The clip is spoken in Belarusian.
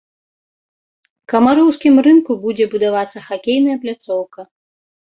Камароўскім рынку будзе будавацца хакейная пляцоўка.